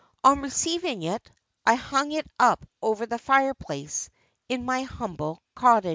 On receiving it, I hung it up over the fireplace in my humble cottage."